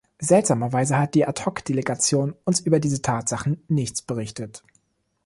Seltsamerweise hat die Ad-hoc-Delegation uns über diese Tatsachen nichts berichtet.